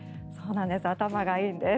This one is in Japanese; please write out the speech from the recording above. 頭がいいんです。